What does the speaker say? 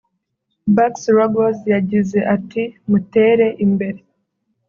Barks-Ruggles yagize ati” mutere imbere